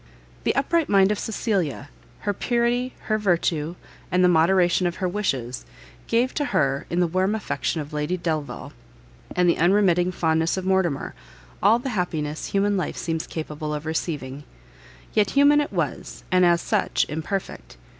The upright mind of Cecilia, her purity, her virtue, and the moderation of her wishes, gave to her in the warm affection of Lady Delvile, and the unremitting fondness of Mortimer, all the happiness human life seems capable of receiving: yet human it was, and as such imperfect!